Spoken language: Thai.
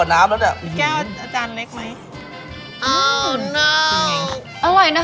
ทำให้เรารู้สึก